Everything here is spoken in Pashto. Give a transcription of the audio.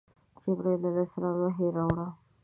جبرائیل علیه السلام وحی راوړ.